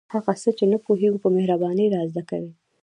هغه څه چې نه پوهیږو په مهربانۍ را زده کوي.